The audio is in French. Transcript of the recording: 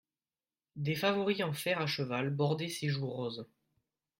Des favoris en fer a cheval bordaient ses joues roses.